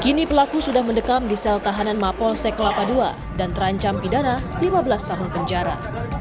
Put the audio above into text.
kini pelaku sudah mendekam di sel tahanan mapolsek kelapa ii dan terancam pidana lima belas tahun penjara